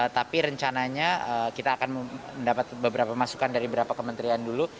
tapi rencananya kita akan mendapat beberapa masukan dari beberapa kementerian dulu